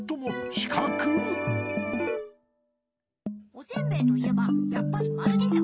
おせんべいといえばやっぱりまるでしょ。